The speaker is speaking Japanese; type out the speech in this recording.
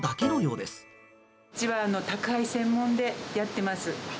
うちは宅配専門でやってます。